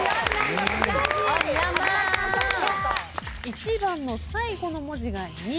１番の最後の文字が「に」